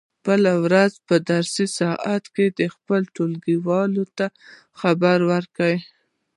د بلې ورځې په درسي ساعت کې دې خپلو ټولګیوالو ته خبرې وکړي.